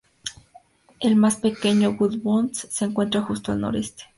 El más pequeño "W. Bond C" se encuentra justo al noreste.